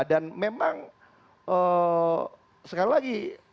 dan memang sekali lagi